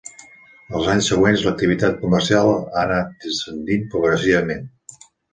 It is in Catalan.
Els anys següents l'activitat comercial ha anat descendint progressivament.